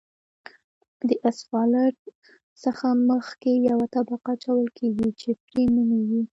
د اسفالټ څخه مخکې یوه طبقه اچول کیږي چې فریم نومیږي